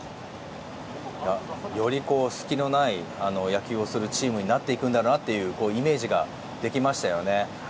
より隙のない野球をするチームになっていくんだろうなというイメージができましたね。